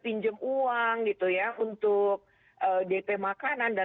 pinjam uang gitu ya untuk dp makanan dan